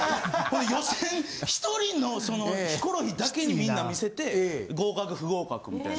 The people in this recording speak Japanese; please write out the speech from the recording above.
予選１人のヒコロヒーだけにみんな見せて合格不合格みたいな。